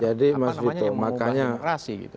jadi pak svito makanya